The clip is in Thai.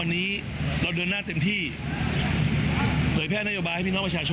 นี่คือมติของภักดิ์นะฮะฟังเพิ่มเติมครับ